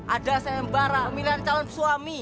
ada seembara pemilihan calon suami